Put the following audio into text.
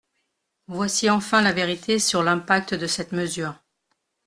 Voici enfin la vérité sur l’impact de cette mesure.